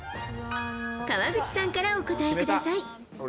川口さんからお答えください。